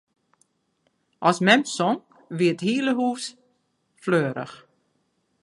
As mem song, wie it hiele hús fleurich.